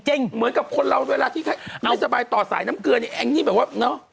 เหมือนกับคนเราเวลาที่ไม่สบายต่อสายน้ำเกลือเนี่ยแองนี่แบบว่าเนอะ